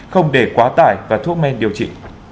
không để quá tải và thuốc men điều trị